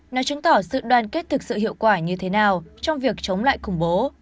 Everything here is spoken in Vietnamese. nó chứng tỏ sự đoàn kết thực sự hiệu quả như thế nào trong việc chống lại khủng bố